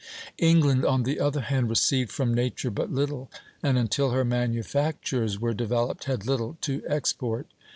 England, on the other hand, received from Nature but little, and, until her manufactures were developed, had little to export.